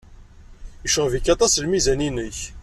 Yecɣeb-ik aṭas lmizan-nnek.